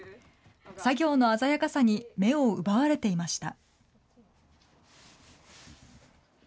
作業の鮮やかさに目を奪われていました。